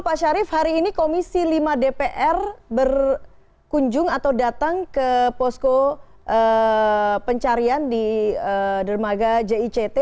pak syarif hari ini komisi lima dpr berkunjung atau datang ke posko pencarian di dermaga jict